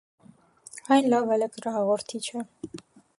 Այն լավ էլեկտրահաղորդիչ է։